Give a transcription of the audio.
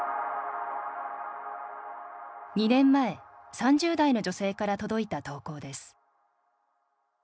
２年前３０代の女性から届いた投稿です。